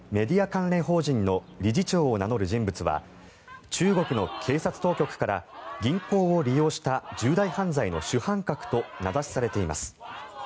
関連法人の理事長を名乗る人物は中国の警察当局から銀行を利用した重大犯罪の主犯格と名指しされています。